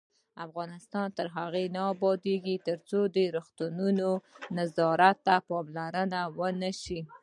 افغانستان تر هغو نه ابادیږي، ترڅو د روغتونونو نظافت ته پاملرنه ونشي.